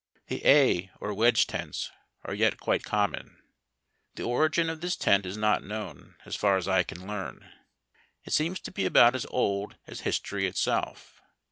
The A or Wedge tents are yet quite connnon. The origin of this tent is not known, so far as I can learn. It seems to be about as old as histor}^ itself.